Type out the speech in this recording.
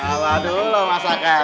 sama dulu masakannya